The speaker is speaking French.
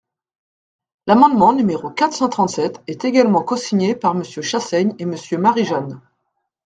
L’amendement numéro quatre cent trente-sept est également cosigné par Monsieur Chassaigne et Monsieur Marie-Jeanne.